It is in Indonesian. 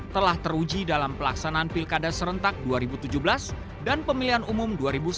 telah teruji dalam pelaksanaan pilkada serentak dua ribu tujuh belas dan pemilihan umum dua ribu sembilan belas